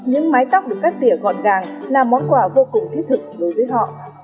những mái tóc được cắt tỉa gọn gàng là món quà vô cùng thiết thực đối với họ